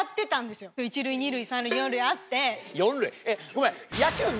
ごめん。